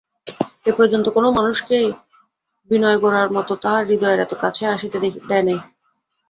এ পর্যন্ত কোনো মানুষকেই বিনয় গোরার মতো তাহার হৃদয়ের এত কাছে আসিতে দেয় নাই।